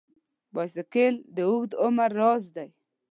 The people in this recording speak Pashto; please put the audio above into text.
بایسکل د اوږده عمر راز دی.